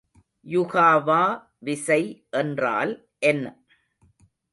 யுகாவா விசை என்றால் என்ன?